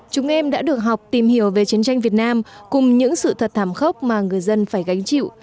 chúng em đã được học tìm hiểu về chiến tranh việt nam cùng những sự thật thảm khốc mà người dân phải gánh chịu